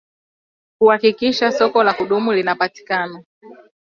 kuhakikisha soko la kudumu linapatikana